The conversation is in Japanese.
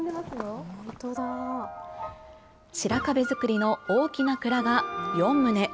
白壁造りの大きな蔵が４棟。